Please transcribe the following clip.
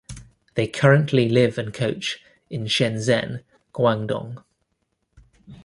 They currently live and coach in Shenzhen, Guangdong.